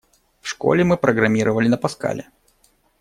В школе мы программировали на Паскале.